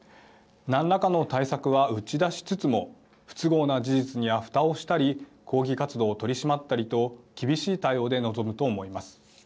何らかの対策は打ち出しつつも不都合な事実にはふたをしたり抗議活動を取り締まったりと厳しい対応で臨むと思います。